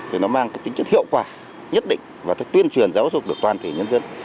thì nó mang cái tính chất hiệu quả nhất định và tuyên truyền giáo dục được toàn thể nhân dân